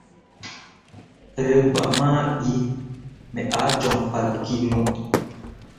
Reba ma ɓii me ah joŋ fah kino.